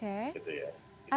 perhatian hukum ada